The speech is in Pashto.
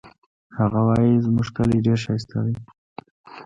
هغه وایي چې زموږ کلی ډېر ښایسته ده